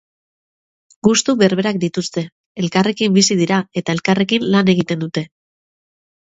Gustu berberak dituzte, elkarrekin bizi dira eta elkarrekin lan egiten dute.